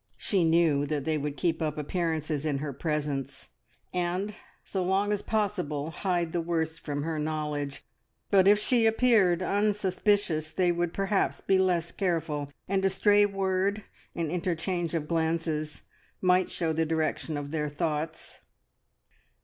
She knew that they would keep up appearances in her presence, and so long as possible hide the worst from her knowledge; but if she appeared unsuspicious they would perhaps be less careful, and a stray word, an interchange of glances, might show the direction of their thoughts.